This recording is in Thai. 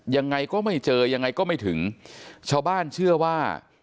ยังไงก็ไม่เจอยังไงก็ไม่ถึงชาวบ้านเชื่อว่า